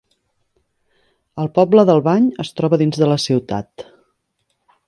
El poble d'Albany es troba dins de la ciutat.